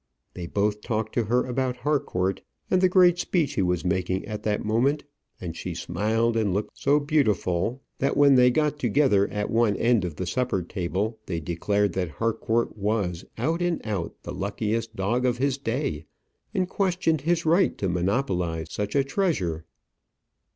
They both talked to her about Harcourt, and the great speech he was making at that moment; and she smiled and looked so beautiful, that when they got together at one end of the supper table, they declared that Harcourt was out and out the luckiest dog of his day; and questioned his right to monopolize such a treasure.